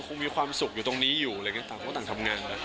ก็คงมีความสุขอยู่ตรงนี้อยู่ต่างทำงาน